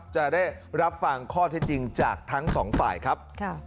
จะได้รับฟังข้อที่จริงจากทั้งสองฝ่ายครับ